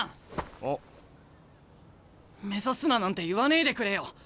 「目指すな」なんて言わねえでくれよ。